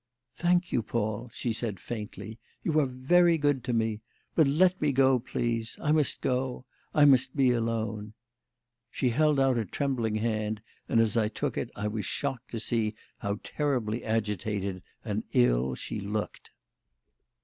"Thank you, Paul," she said faintly. "You are very good to me. But let me go, please. I must go. I must be alone." She held out a trembling hand, and, as I took it, I was shocked to see how terribly agitated and ill she looked.